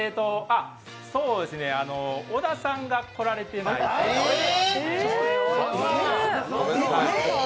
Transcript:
小田さんが来られてないえーっ！！